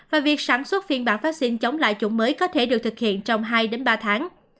và việc sản xuất phiên bản phát sinh chống lại chủng mới có thể được thực hiện trong hai ba tháng